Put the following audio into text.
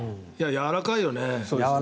やわらかいよね。